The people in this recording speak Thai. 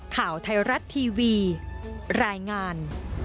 ข่าวไทยรัฐทีวีรายงาน